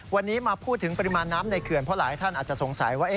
วันนี้มาพูดถึงปริมาณน้ำในเขื่อนเพราะหลายท่านอาจจะสงสัยว่า